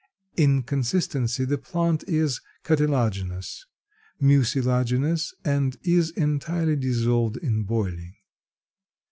In consistency the plant is cartilaginous, mucilaginous, and is entirely dissolved on boiling.